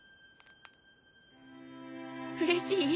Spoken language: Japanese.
うれしい？